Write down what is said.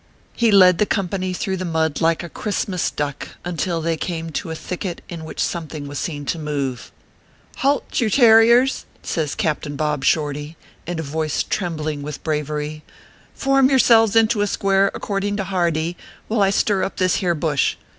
He led the com pany through the mud like a Christmas duck, until they came to a thicket in which something was seen to move. " Halt, you tarriers \" says Captain Bob Shorty, in a voice trembling with bravery. "Form yourselves into a square according to Hardee, while I stir up this here bush.